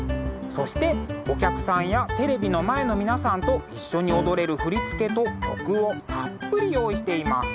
そしてお客さんやテレビの前の皆さんと一緒に踊れる振り付けと曲をたっぷり用意しています。